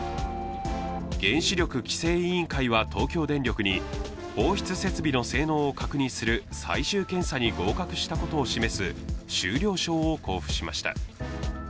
原子力規制委員会は東京電力に放出設備の性能を確認する最終検査に合格したことを示す終了証を交付しました。